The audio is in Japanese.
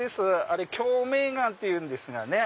あれ鏡明岩っていうんですがね。